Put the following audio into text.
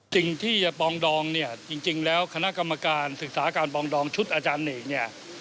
สิ่งที่จะปองดองเนี่ยจริงแล้วคณะกรรมการศึกษาการปองดองชุดอาจารย์เนกเนี่ย